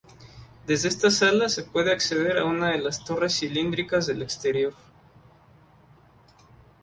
Desde esta sala se puede acceder a una de las torres cilíndricas del exterior.